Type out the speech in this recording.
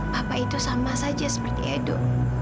papa itu sama saja seperti edo